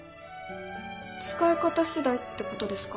使い方次第ってことですか？